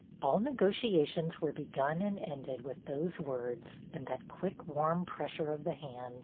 All negotiations were begun and ended with those words and that quick, warm pressure of the hand.